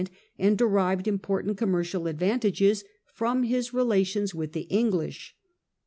and derived important commercial advantages from his relations with the English.